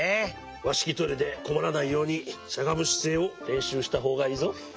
わしきトイレでこまらないようにしゃがむしせいをれんしゅうしたほうがいいぞ。